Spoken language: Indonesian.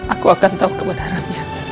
aku akan tau kebenarannya